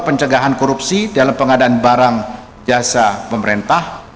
pencegahan korupsi dalam pengadaan barang jasa pemerintah